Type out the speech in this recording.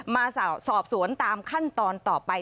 มาสอบสวนตามขั้นตอนต่อไป